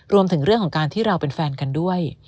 รวมถึงเรื่องของการที่เราเป็นแฟนกันด้วย